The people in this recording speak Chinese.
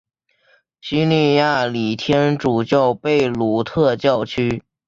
叙利亚礼天主教贝鲁特教区。